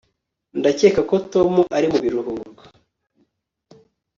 Ndakeka ko Tom ari mu biruhuko